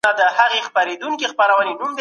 ایا د زړه ناروغانو لپاره غوړ خواړه خطرناک دي؟